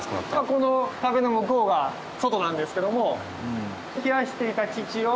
この壁の向こうが外なんですけども。